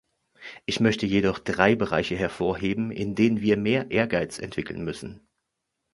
Ich möchte jedoch drei Bereiche hervorheben, in denen wir mehr Ehrgeiz entwickeln müssen.